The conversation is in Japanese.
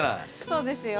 そうですよ。